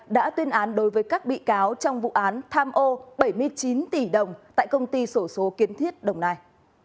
đã tuyên án đối với các bị cáo trong vụ án tham ô bảy mươi chín tỷ đồng tại công ty sổ số kiến thiết đồng nai